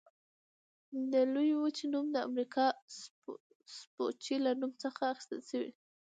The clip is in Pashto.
دې لویې وچې نوم د امریکو سپوچي له نوم څخه اخیستل شوی.